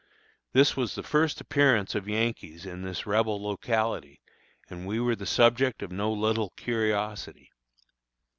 This was the first appearance of Yankees in this Rebel locality, and we were the subject of no little curiosity.